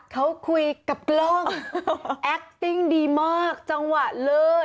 เขาคุยกับกล้องแอคติ้งดีมากจังหวะเลิศ